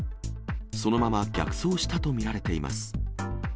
そのまま逆走したと見られています。